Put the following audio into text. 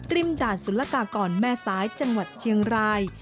ด่านสุรกากรแม่ซ้ายจังหวัดเชียงราย